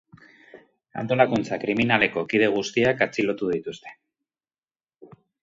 Antolakuntza kriminaleko kide guztiak atxilotu dituzte.